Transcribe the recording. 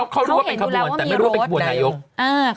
เขารู้ว่าเป็นขบวนแต่ไม่รู้ว่าเป็นขบวนนายก